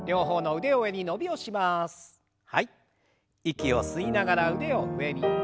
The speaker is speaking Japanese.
息を吸いながら腕を上に。